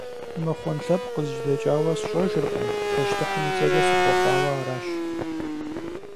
Мыхъун лъэпкъ къызжьэдэкӀауэ сщӀэжыркъым, пащтыхьым и цӀэкӀэ сыхъуэхъуауэ аращ.